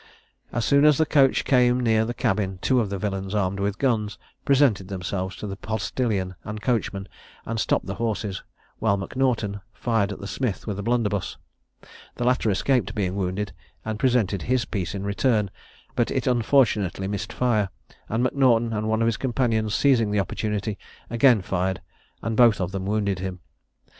As soon as the coach came near the cabin, two of the villains, armed with guns, presented themselves to the postilion and coachman, and stopped the horses, while M'Naughton fired at the smith with a blunderbuss. The latter escaped being wounded, and presented his piece in return, but it unfortunately missed fire, and M'Naughton and one of his companions seizing the opportunity, again fired, and both of them wounded him.